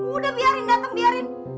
udah biarin datang biarin